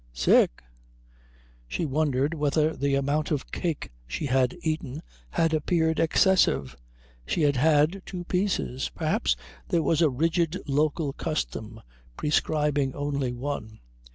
"Sick?" She wondered whether the amount of cake she had eaten had appeared excessive. She had had two pieces. Perhaps there was a rigid local custom prescribing only one.